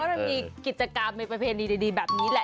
ทำให้มีกิจกรรมในประเภทดีแบบนี้แหละ